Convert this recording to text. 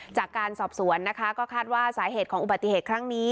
จากการสอบสวนนะคะก็คาดว่าสาเหตุของอุบัติเหตุครั้งนี้